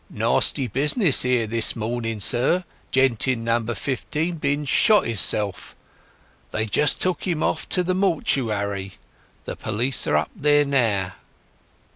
"Nawsty business 'ere this morning, sir. Gent in No. 15 been and shot 'isself. They've just took 'im to the mortiary. The police are up there now."